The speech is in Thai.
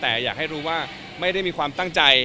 แต่อยากให้รู้ว่าไม่ได้มีความตั้งใจ